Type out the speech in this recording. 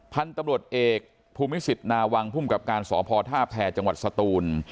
พันธุ์ตำรวจเอกภูมิศิษฐ์นาวังพุ่มกับการสอบพอทาแพจังหวัดสตูน